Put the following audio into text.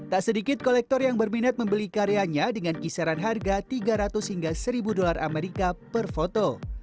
tak sedikit kolektor yang berminat membeli karyanya dengan kisaran harga tiga ratus hingga seribu dolar amerika per foto